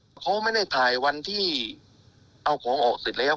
แต่เขาไม่ได้ถ่ายวันที่เอาของออกเสร็จแล้ว